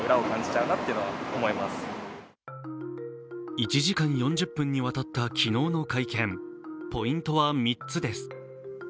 １時間４０分にわたった昨日の会見、ポイントは３つです。